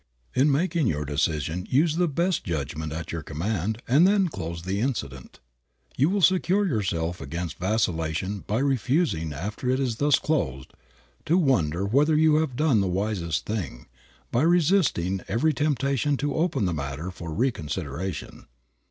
In making your decision use the best judgment at your command and then close the incident. You will secure yourself against vacillation by refusing, after it is thus closed, to wonder whether you have done the wisest thing, by resisting every temptation to open the matter for reconsideration.